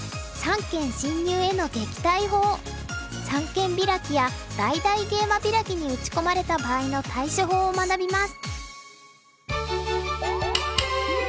三間ビラキや大々ゲイマビラキに打ち込まれた場合の対処法を学びます。